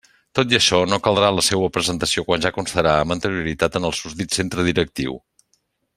Tot i això, no caldrà la seua presentació quan ja constara amb anterioritat en el susdit centre directiu.